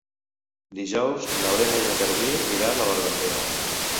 Dijous na Lena i en Garbí iran a l'Armentera.